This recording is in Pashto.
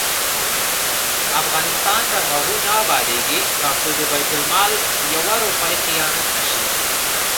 افغانستان تر هغو نه ابادیږي، ترڅو د بیت المال یوه روپۍ خیانت نشي.